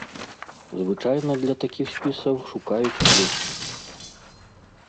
Звычайна для такіх спісаў шукаюць плюсы.